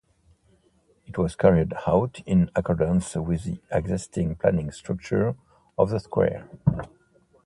It was carried out in accordance with the existing planning structure of the square.